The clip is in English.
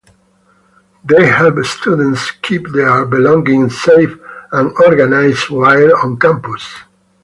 They help students keep their belongings safe and organized while on campus.